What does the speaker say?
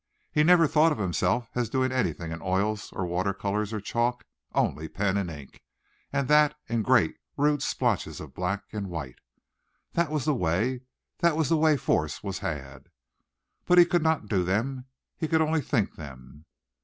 He never thought of himself as doing anything in oils or water colors or chalk only pen and ink, and that in great, rude splotches of black and white. That was the way. That was the way force was had. But he could not do them. He could only think them.